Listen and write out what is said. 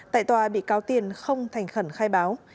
tại tòa bị cáo tiền không thành khẩn khai báo